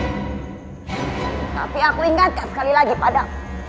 tapi aku ingatkan sekali lagi padamu